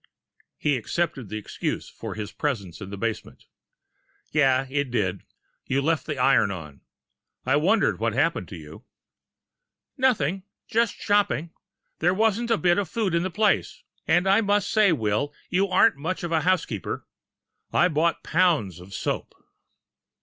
He accepted the excuse for his presence in the basement. "Yeah, it did. You left the iron on. I wondered what happened to you?" "Nothing. Just shopping. There wasn't a bit of food in the place and I must say, Will, you aren't much of a housekeeper. I bought pounds of soap!"